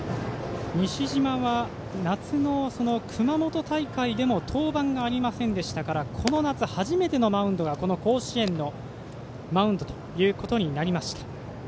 西嶋は夏の熊本大会でも登板がありませんでしたからこの夏初めてのマウンドがこの甲子園のマウンドということになりました。